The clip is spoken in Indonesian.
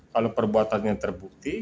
kalau perbuatan yang terbukti